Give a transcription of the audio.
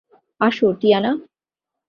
আসো, টিয়ানা।